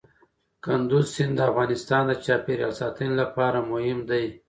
کندز سیند د افغانستان د چاپیریال ساتنې لپاره مهم دي.